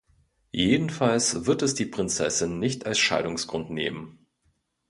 Jedenfalls wird es die Prinzessin nicht als Scheidungsgrund nehmen.